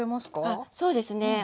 あっそうですね。